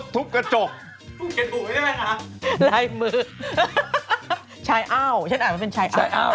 ทำไมต้องอ้าว